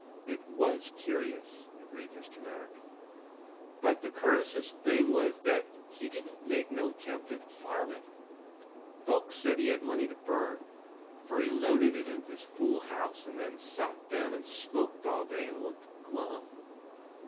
"It was curious," agreed Mr. Merrick. "But the cur'ous'est thing was thet he didn't make no 'tempt at farmin'. Folks said he had money to burn, fer he loaded it into this fool house an' then sot down an' smoked all day an' looked glum.